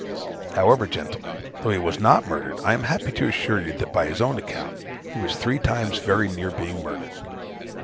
However, gentlemen, though he was not murdered, I am happy to assure you that (by his own account) he was three times very near being murdered.